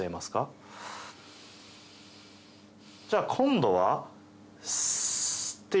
じゃあ今度は。